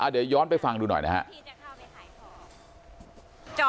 เดี๋ยวย้อนไปฟังดูหน่อยนะครับ